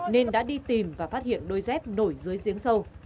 nên đã đi tìm và phát hiện đôi dép nổi dưới giếng sâu